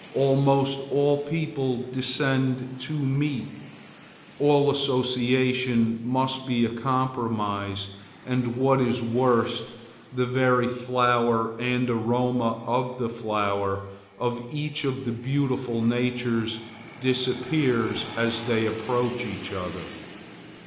Almost all people descend to meet. All association must be a compromise, and, what is worst, the very flower and aroma of the flower of each of the beautiful natures disappears as they approach each other.